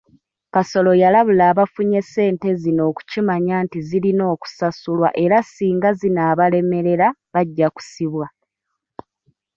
Kasolo yalabula abafunye ssente zino okukimanya nti zirina okusasulwa era singa zinaabalemerera bajja kusibwa.